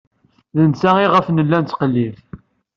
D netta iɣef nella nettqellib.